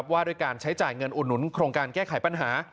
ว่าด้วยการใช้จ่ายเงินอุดหนุนโครงการแก้ไขปัญหา